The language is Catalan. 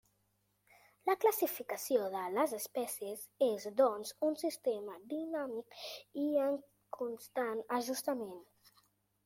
La classificació de les espècies és, doncs, un sistema dinàmic i en constant ajustament.